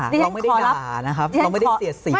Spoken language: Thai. เราไม่ได้ด่านะครับเราไม่ได้เสียดสี